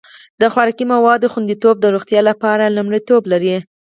د خوراکي موادو خوندیتوب د روغتیا لپاره لومړیتوب لري.